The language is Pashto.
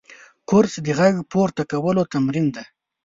کورس د غږ پورته کولو تمرین دی.